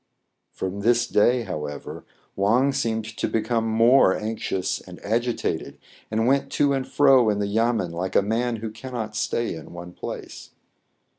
From this day, however, Wang seemed to be come more anxious and agitated, and went to and fro in the yamen like a man who cannot stay in one place.